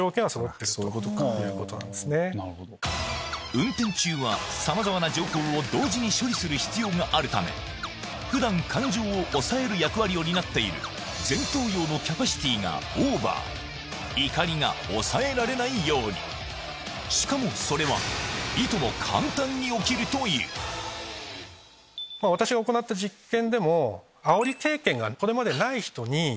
運転中はさまざまな情報を同時に処理する必要があるため普段感情を抑える役割を担っている前頭葉のキャパシティーがオーバー怒りが抑えられないようにしかも私が行った実験でも。